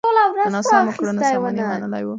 د ناسمو کړنو سمون يې منلی و.